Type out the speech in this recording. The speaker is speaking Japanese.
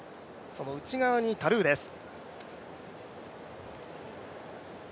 その内側にタルーです。